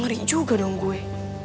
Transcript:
ngeri juga dong gue